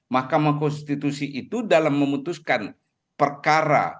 mahkamah konstitusi itu dalam memutuskan perkara